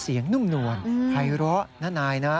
เสียงนุ่มนวลใครร้อน่ะนายนะ